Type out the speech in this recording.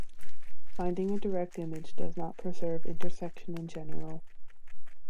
Finding a direct image does not preserve intersection in general.